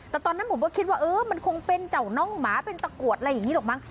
แต่ตอนนั้นผมก็คิดว่าเออมันคงเป็นเจ้าน้องหมาเป็นตะกรวดอะไรอย่างนี้หรอกมั้